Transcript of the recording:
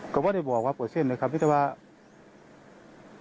ก็บอกว่าเปอร์เซ็นต์เลยครับวิธีบาล